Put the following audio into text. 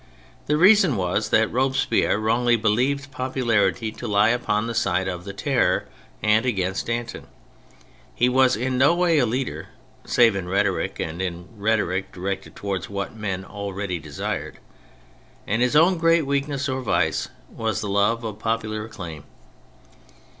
The reason was that Robespierre wrongly believed popularity to lie upon the side of the Terror and against Danton; he was in no way a leader (save in rhetoric and in rhetoric directed towards what men already desired), and his own great weakness or vice was the love of popular acclaim.